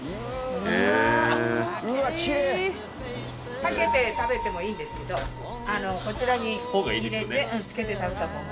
かけて食べてもいいですけどこちらに入れてつけて食べたほうが。